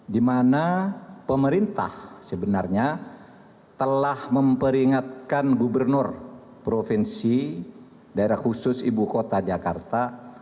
di mana pemerintah sebenarnya telah memperingatkan gubernur provinsi daerah khusus ibu kota jakarta